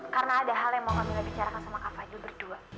karena ada hal yang mau kak mila bicarakan sama kak fadil berdua